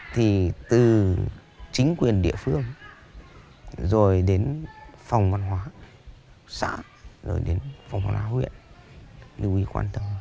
thì từ chính quyền địa phương rồi đến phòng văn hóa xã rồi đến phòng văn hóa huyện lưu ý quan tâm